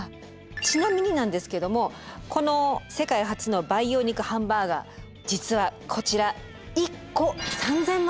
ちなみになんですけどもこの世界初の培養肉ハンバーガー実はこちら１個ギャ！